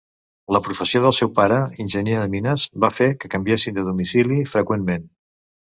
La professió del seu pare, enginyer de mines, va fer que canviessin de domicili freqüentment.